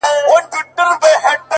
زه دې د سندرو په الله مئين يم’